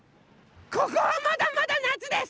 ここはまだまだなつです！